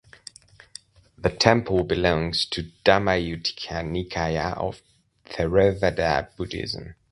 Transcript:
The temple belongs to Dhammayuttika Nikaya of Theravada Buddhism.